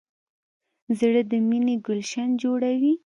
زړه د مینې ګلشن جوړوي.